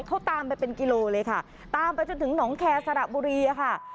เขาตามไปเป็นกิโลเลยค่ะตามไปจนถึงหนองแคร์สระบุรีอะค่ะ